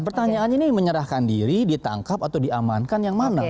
pertanyaannya ini menyerahkan diri ditangkap atau diamankan yang mana